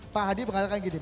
pak hadi mengatakan gini